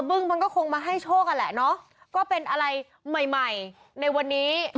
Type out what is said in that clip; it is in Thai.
บึ้งมันก็คงมาให้โชคอ่ะแหละเนาะก็เป็นอะไรใหม่ใหม่ในวันนี้